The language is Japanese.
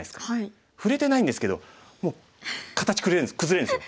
触れてないんですけどもう形崩れるんですよ。